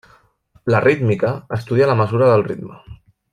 La rítmica estudia la mesura del ritme.